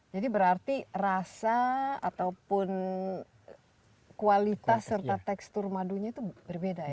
jadi berarti rasa ataupun kualitas serta tekstur madunya itu berbeda ya